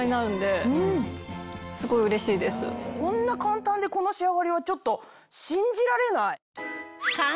こんな簡単でこの仕上がりはちょっと信じられない！